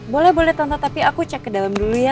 boleh boleh tonto tapi aku cek ke dalam dulu ya